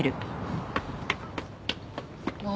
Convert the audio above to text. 何？